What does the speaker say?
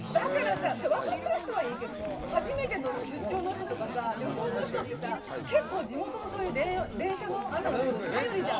分かってる人はいいけど初めて乗る出張とか旅行の人結構地元のアナウンスが頼りじゃん。